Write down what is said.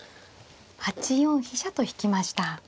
８四飛車と引きました。